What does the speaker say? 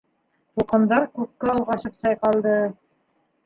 Тулҡындар күккә олғашып сайҡалды.